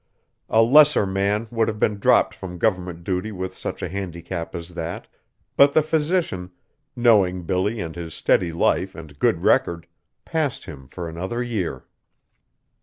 A lesser man would have been dropped from government duty with such a handicap as that, but the physician, knowing Billy and his steady life and good record, passed him for another year.